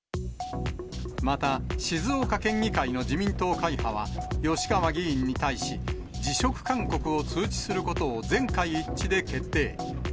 また、静岡県議会の自民党会派は、吉川議員に対し、辞職勧告を通知することを全会一致で決定。